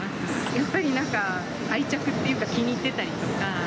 やっぱりなんか愛着っていうか、気に入ってたりとか。